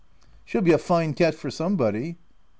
— She'll be a fine catch for some body."